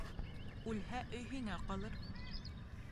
Үлһә, өй һиңә ҡалыр!